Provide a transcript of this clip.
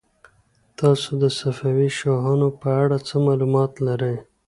تاسو د صفوي شاهانو په اړه څه معلومات لرئ؟